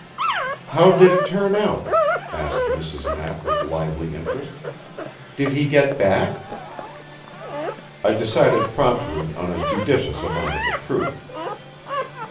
"How did it turn out?" asked Mrs. Knapp with lively interest. "Did he get back?" I decided promptly on a judicious amount of the truth.